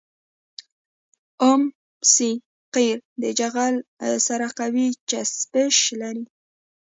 ام سي قیر د جغل سره قوي چسپش لري